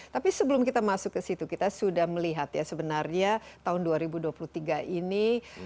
tapi sebelum kita masuk ke situ kita sudah melihat ya sebenarnya tahun dua ribu dua puluh tiga ini